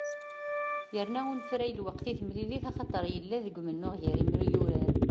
Yerna unefray lweqt i temlilit axaṭer yella-d umennuɣ gar yemyurar.